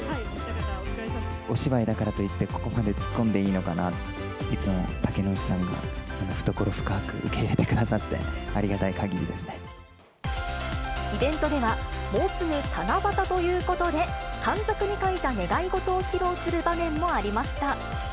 お芝居だからといってここまで突っ込んでいいのかなって、いつも竹野内さんが懐深く受け入れてくださって、ありがたいかぎイベントでは、もうすぐ七夕ということで、短冊に書いた願い事を披露する場面もありました。